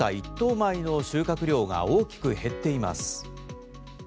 米の収穫量が大きく減っています。